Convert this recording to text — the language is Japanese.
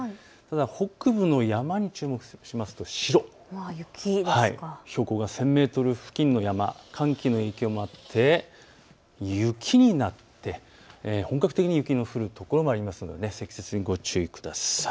北部の山に注目しますと白、標高が１０００メートル付近の山、寒気の影響もあって雪になって本格的に雪の降る所もありますので積雪ご注意ください。